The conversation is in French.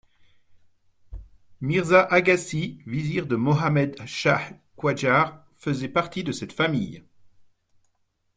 Mirza Agassi, vizir de Mohammad Shah Qajar, faisait partie de cette famille.